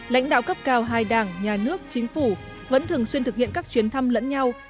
lãnh đạo cấp cao hai đảng nhà nước chính phủ vẫn thường xuyên thực hiện các chuyến thăm lẫn nhau